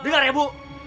dengar ya bu